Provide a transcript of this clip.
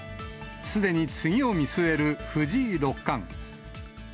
すでに次を見据える藤井六冠。